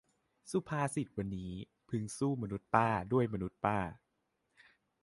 สุภาษิตวันนี้ : พึงสู้มนุษย์ป้าด้วยมนุษย์ป้า